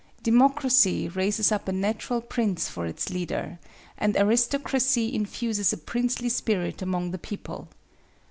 Democracy raises up a natural prince for its leader, and aristocracy infuses a princely spirit among the people.